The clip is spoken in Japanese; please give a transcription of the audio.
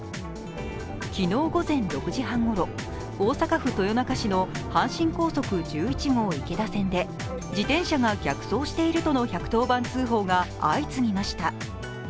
昨日午前６時半ごろ、大阪府豊中市の阪神高速１１号池田線で自転車が逆走しているとの１１０番通報が相次ぎました。